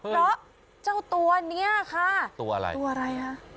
เพราะเจ้าตัวนี้ค่ะตัวอะไรตัวอะไรคะ